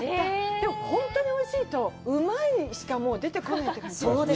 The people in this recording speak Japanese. でも、本当においしいとうまいしか出てこないって感じ？